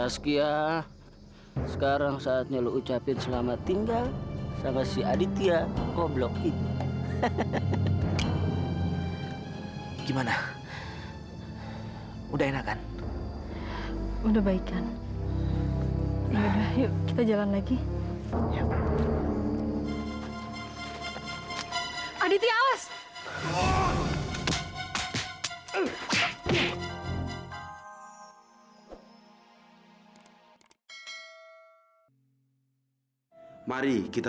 sampai jumpa di video selanjutnya